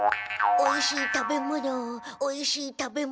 おいしい食べ物おいしい食べ物。